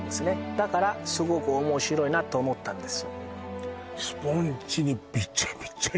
だからすごく面白いなと思ったんです